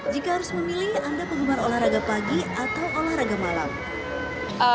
jika harus memilih anda penggemar olahraga pagi atau olahraga malam